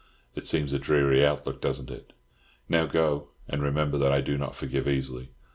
It seems a dreary outlook, doesn't it? Now go, and remember that I do not forgive easily.